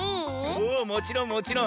おおもちろんもちろん。